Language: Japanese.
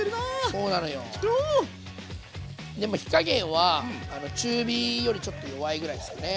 でも火加減は中火よりちょっと弱いぐらいですよね。